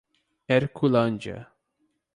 Herculândia